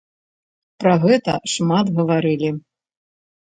Пра гэта шмат гаварылі.